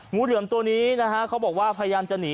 งูเหลือมตัวนี้นะฮะเขาบอกว่าพยายามจะหนี